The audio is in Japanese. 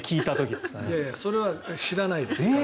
いやいやそれは知らないですけど。